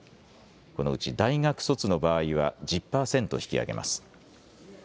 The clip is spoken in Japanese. このうち大学卒の場合は１０％引き上げます。